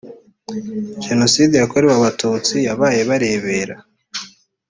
jenoside yakorewe abatutsi yabaye barebera